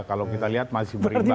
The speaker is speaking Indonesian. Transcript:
kalau kita lihat masih berita